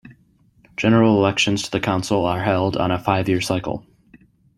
General elections to the council are held on a five-year cycle.